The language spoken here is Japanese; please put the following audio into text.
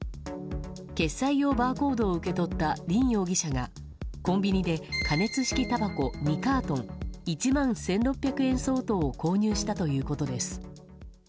決済用バーコードを受け取ったリン容疑者がコンビニで加熱式たばこ２カートン１万１６００円相当を購入したということです。